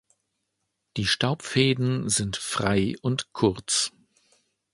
Die Staubfäden sind frei und kurz.